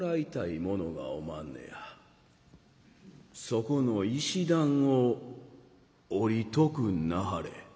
そこの石段を下りとくんなはれ」。